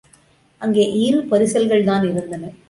அங்கே இரு பரிசல்கள் தான் இருந்தன.